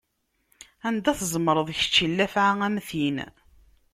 Anda tzemreḍ kečč i llafɛa am tin!